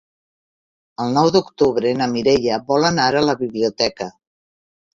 El nou d'octubre na Mireia vol anar a la biblioteca.